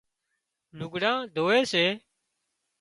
لگھڙان ڌووي سي